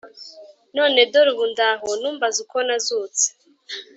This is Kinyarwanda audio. none dore ubu ndaho ntumbaze uko nazutse